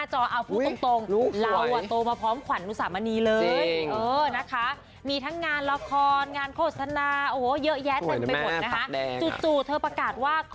จูจูแล้วเธอประกาศว่า